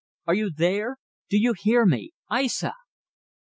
Are you there? Do you hear me? Aissa!"